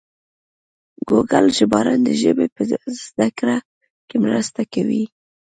ګوګل ژباړن د ژبې په زده کړه کې مرسته کوي.